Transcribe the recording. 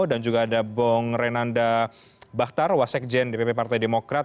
dan juga ada bung renanda bahtar wasek jen dpp partai demokrat